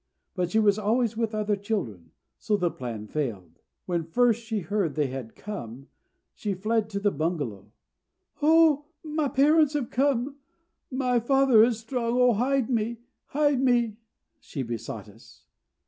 But she was always with the other children, so that plan failed. When first she heard they had come, she fled to the bungalow. "My parents have come! My father is strong! Oh, hide me! hide me!" she besought us.